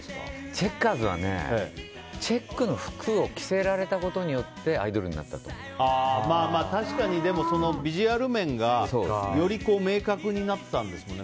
チェッカーズはチェックの服を着せられたことによって確かにビジュアル面がより明確になったんですね。